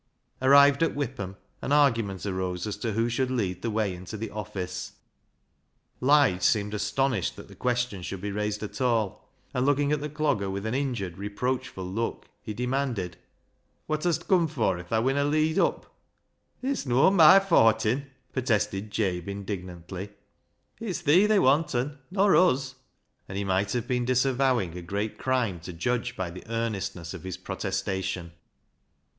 Arrived at Whipham, an argument arose as to who should lead the way into the office. Lige seemed astonished that the question should be raised at all, and looking at the Clogger with an injured, reproachful look, he demanded —" Wot hast come fur if tha winna leead up?" " It's no' my fortin," protested Jabe indig nantly. " It's thee they wanten, nor uz." And he might have been disavowing a great crime to judge by the earnestness of his protestation.